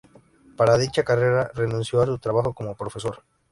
Para dicha carrera renunció a su trabajo como profesor.